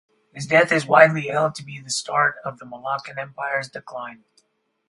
His death is widely held to be the start of the Malaccan Empire's decline.